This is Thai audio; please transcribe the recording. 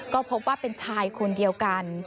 ก็พบว่าเป็นชายคนเดียวกัน